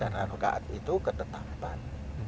karena rakaat itu ketetapan